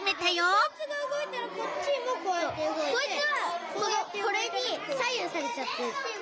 そうこいつはこれに左右されちゃってるの。